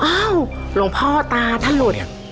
อ้าวหลวงพ่อตาถ้าหลุด